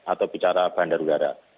atau bicara bandar udara